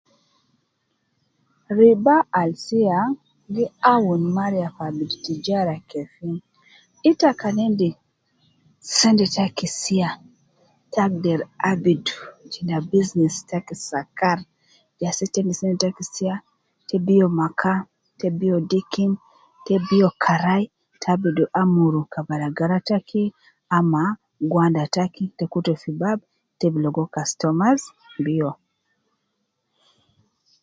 Riba al Siya gi aunu mariya fi abidu tijara kefin?.ita kan endis sente taki siya taagder abidu jina business taki sakar, jasede tendi sente Siya tebiyo Maka te biyo dikin te biyo karayi ta abidu amuru kabalala ama gwanda taki te kutu fi kasuma baba te bi ligo kastona taki.